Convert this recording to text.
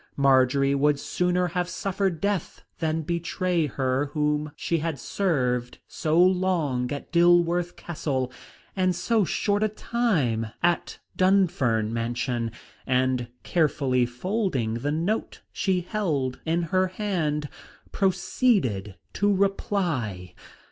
Marjory would sooner have suffered death than betray her whom she had served so long at Dilworth Castle, and so short a time at Dunfern Mansion, and, carefully folding the note she held in her hand, proceeded to reply.